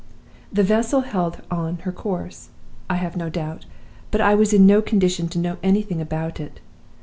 The vessel held on her course, I have no doubt, but I was in no condition to know anything about it.